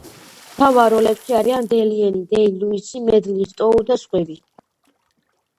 მთავარ როლებში არიან დენიელ დეი-ლუისი, მედლინ სტოუ და სხვები.